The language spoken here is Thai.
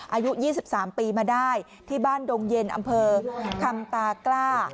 อายุ๒๓ปีมาได้ที่บ้านดงเย็นอำเภอคำตากล้า